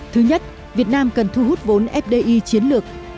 thứ nhất việt nam cần thu hút vốn fdi chiến lược